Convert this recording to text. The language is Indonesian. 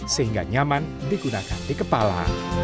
sehingga nyaman digunakan di kepala